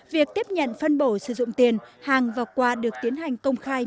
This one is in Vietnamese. việc tiếp nhận phân bổ sử dụng tiền hàng và quà được tiến hành công khai